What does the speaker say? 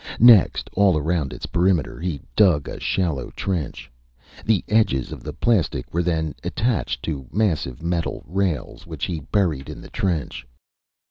Next, all around its perimeter, he dug a shallow trench. The edges of the plastic were then attached to massive metal rails, which he buried in the trench.